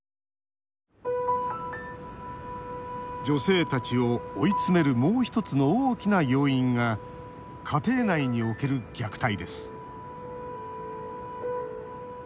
女性たちを追い詰めるもう１つの大きな要因が家庭内における虐待です。